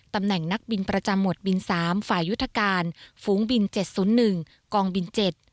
ตำแหน่งนักบินประจำหมวดบิน๓ฝ่ายยุทธการฝูงบิน๗๐๑กองบิน๗